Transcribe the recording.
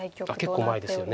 結構前ですよね。